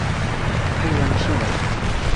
佩旺谢尔。